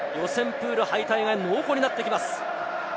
プール敗退が濃厚になってきます。